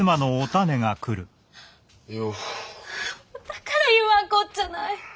だから言わんこっちゃない！